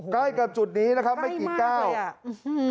ใกล้กับจุดนี้นะครับไม่กี่ก้าวใกล้มากเลยอ่ะ